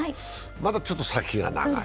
まだちょっと先が長い。